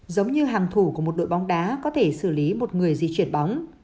giống như hàng thủ của một đội bóng đá có thể xử lý một người di chuyển bóng